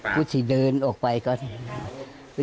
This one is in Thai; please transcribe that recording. กูที่เดินออกไปเค้า